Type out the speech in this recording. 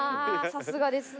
さすがですね。